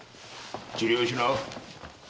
治療しな！